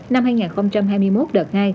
năm hai nghìn hai mươi một đợt hai